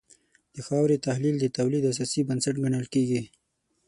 د خاورې تحلیل د تولید اساسي بنسټ ګڼل کېږي.